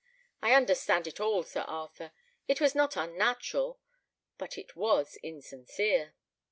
I understand it all, Sir Arthur; it was not unnatural, but it was insincere."